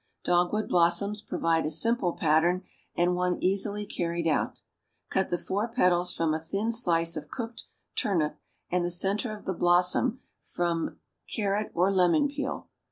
Dogwood blossoms provide a simple pattern, and one easily carried out. Cut the four petals from a thin slice of cooked turnip and the centre of the blossom from carrot or lemon peel.